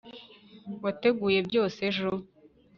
wateguye byose ejo